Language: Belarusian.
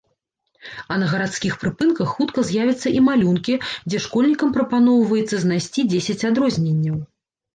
А на гарадскіх прыпынках хутка з'явяцца і малюнкі, дзе школьнікам прапаноўваецца знайсці дзесяць адрозненняў.